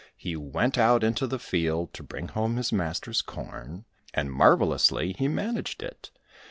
He went out into the field to bring home his master's corn, and marvellously he managed it.